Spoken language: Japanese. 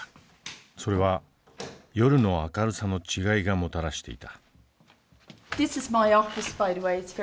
それは夜の明るさの違いがもたらしていた。